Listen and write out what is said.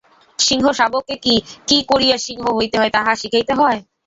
সিংহ-শাবককে কি, কী করিয়া সিংহ হইতে হয় তাহা শিখাইতে হয়?